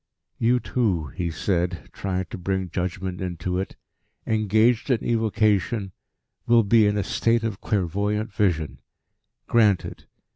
"You two," he said, trying to bring judgment into it, "engaged in evocation, will be in a state of clairvoyant vision. Granted.